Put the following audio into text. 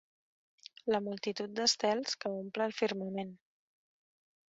La multitud d'estels que omple el firmament.